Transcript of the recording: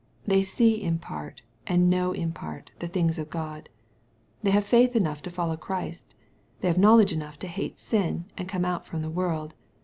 They see in part, and know in part, the things of God. They have faith enough to follow Christ. They have knowledge enough to hate sin, and come out from the world.